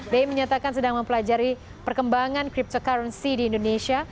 bi menyatakan sedang mempelajari perkembangan cryptocurrency di indonesia